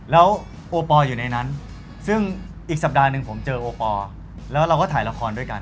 แล้วโอปอลอยู่ในนั้นซึ่งอีกสัปดาห์หนึ่งผมเจอโอปอลแล้วเราก็ถ่ายละครด้วยกัน